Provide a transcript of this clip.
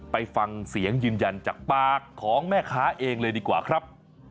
ไปฟังเสียงยืนยันจากปากของแม่ค้าเองเลยดีกว่าครับ